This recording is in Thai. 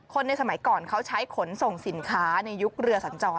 ในสมัยก่อนเขาใช้ขนส่งสินค้าในยุคเรือสัญจร